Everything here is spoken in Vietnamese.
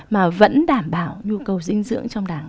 mà vẫn đảm bảo nhu cầu dinh dưỡng trong cả ngày